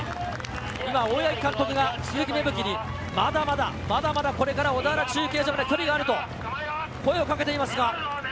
大八木監督が鈴木芽吹に、まだまだこれから小田原中継所まで距離があると声をかけています。